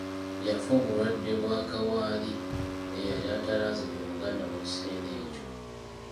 Yafa obulwadde bwa kawaali eyali atalaaze mu Buganda mu kiseera ekyo.